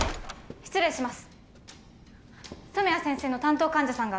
失礼します